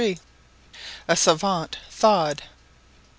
A SAVANT THAWED.